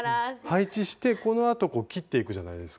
配置してこのあと切っていくじゃないですか。